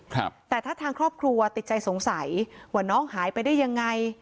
ครับแต่ถ้าทางครอบครัวติดใจสงสัยว่าน้องหายไปได้ยังไง